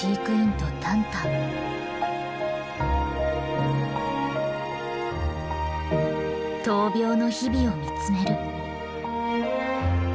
闘病の日々を見つめる。